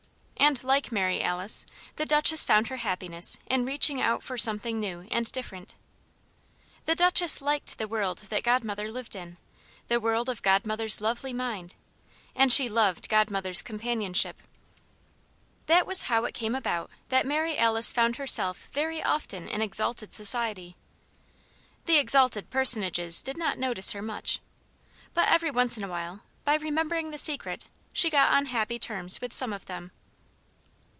And like Mary Alice, the Duchess found her happiness in reaching out for something new and different. The Duchess liked the world that Godmother lived in the world of Godmother's lovely mind; and she loved Godmother's companionship. That was how it came about that Mary Alice found herself very often in exalted society. The exalted personages did not notice her much; but every once in a while, by remembering the Secret, she got on happy terms with some of them.